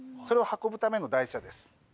それを運ぶための台車です。